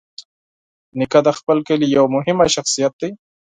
نیکه د خپل کلي یوه مهمه شخصیت دی.